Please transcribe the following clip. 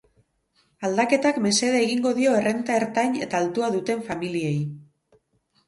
Aldaketak mesede egingo dio errenta ertain eta altua duten familiei.